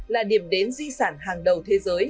là điểm đến di sản hàng đầu thế giới